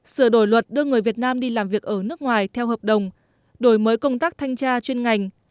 sửa đổi luật đưa người việt nam đi làm việc ở nước ngoài theo hợp đồng đổi mới công tác thanh tra chuyên ngành